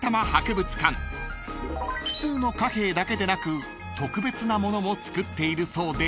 ［普通の貨幣だけでなく特別なものも造っているそうで］